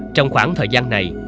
trong khoảng thời gian này